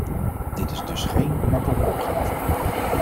Dit is dus geen makkelijke opgave.